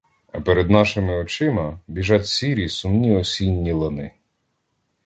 А перед нашими очима біжать сірі, сумні, осінні лани.